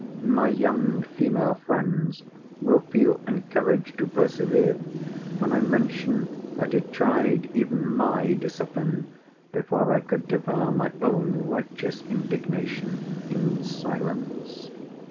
My young female friends will feel encouraged to persevere, when I mention that it tried even my discipline before I could devour my own righteous indignation in silence.